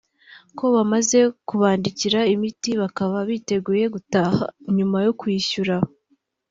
ko bamaze kubandikira imiti bakaba biteguye gutaha nyuma yo kwishyura